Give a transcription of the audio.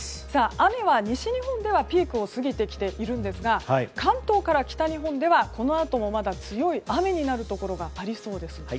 雨は西日本ではピークを過ぎてきているんですが関東から北日本ではこのあともまだ強い雨になるところがありそうです。